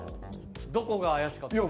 どこが怪しかったですか？